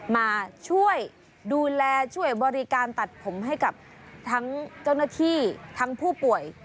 มาช่วยดูแลช่วยบริการตัดผมให้กับทั้งเจ้าหน้าที่ทั้งผู้ป่วย